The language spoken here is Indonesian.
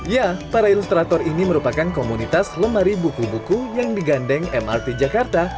ya para ilustrator ini merupakan komunitas lemari buku buku yang digandeng mrt jakarta